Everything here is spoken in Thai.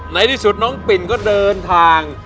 ในที่สุดน้องปิ่นก็เดินทาง